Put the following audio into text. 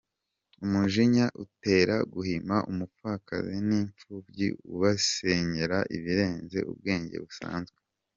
Umujinya utera guhima umupfakazi n’imfubyi ubasenyera birenze ubwenge busanzwe.